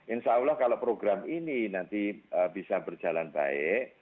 insya allah kalau program ini nanti bisa berjalan baik